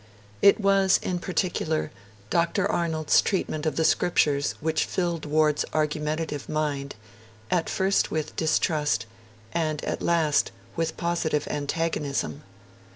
It was, in particular, Dr. Arnold's treatment of the Scriptures which filled Ward's argumentative mind, at first with distrust, and at last with positive antagonism.